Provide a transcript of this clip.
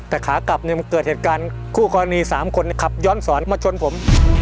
แต่ขากลับเนี่ยมันเกิดเหตุการณ์คู่กรณี๓คนขับย้อนสอนมาชนผม